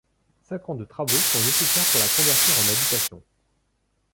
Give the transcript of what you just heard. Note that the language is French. Cinq ans de travaux sont nécessaire pour la convertir en habitation.